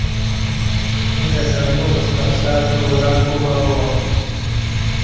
ییں تہ صندوق ستہ نقشہ تو ولہ کوبابا